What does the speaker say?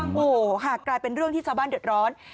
โอ้โหค่ะกลายเป็นเรื่องที่ชาวบ้านเดือดร้อน